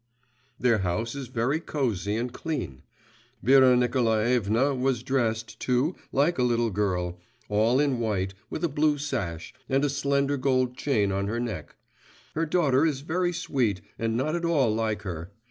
Their house is very cosy and clean. Vera Nikolaevna was dressed, too, like a girl; all in white, with a blue sash, and a slender gold chain on her neck. Her daughter is very sweet and not at all like her.